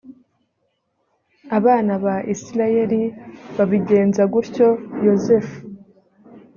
abana ba isirayeli babigenza batyo yosefu